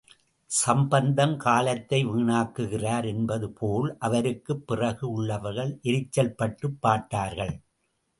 சம்பந்தம், காலத்தை வீணாக்குகிறார் என்பதுபோல், அவருக்குப் பிறகு உள்ளவர்கள் எரிச்சல்பட்டுப் பார்த்தார்கள்.